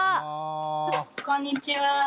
こんにちは。